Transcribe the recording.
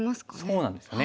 そうなんですよね。